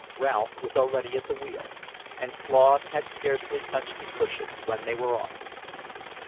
Ralph was already at the wheel, and Claude had scarcely touched the cushions when they were off.